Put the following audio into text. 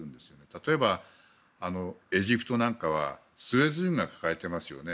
例えば、エジプトなんかはスエズ運河を抱えていますよね。